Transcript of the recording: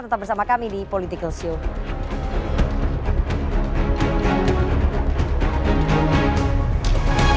tetap bersama kami di politik kecil